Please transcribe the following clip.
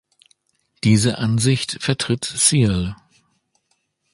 Diese Ansicht vertritt Searle.